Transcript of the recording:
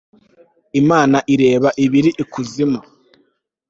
imana ireba ibiri ikuzimu